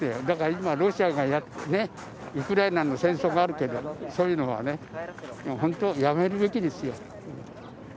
だから今、ロシアがウクライナの戦争があるけど、そういうのはね、本当、やめるべきですよ。